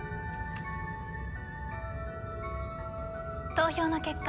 投票の結果